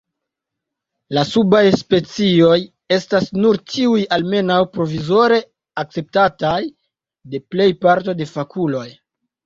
La subaj specioj estas nur tiuj almenaŭ provizore akceptataj de plej parto de fakuloj.